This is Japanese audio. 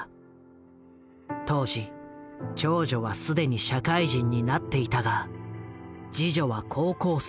当時長女は既に社会人になっていたが次女は高校生。